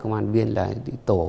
sáng mà công an viên lại đi tổ